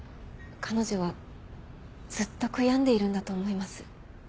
彼女はずっと悔やんでいるんだと思います。